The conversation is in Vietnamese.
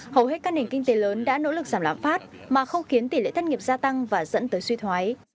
hầu hết các nền kinh tế lớn đã nỗ lực giảm lãm phát mà không khiến tỷ lệ thất nghiệp gia tăng và dẫn tới suy thoái